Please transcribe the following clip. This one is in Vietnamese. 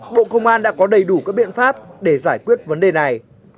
bộ công an đã có đầy đủ các biện pháp để giải quyết vấn đề này